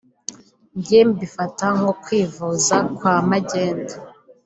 njye mbifata nko kwivuza kwa magendu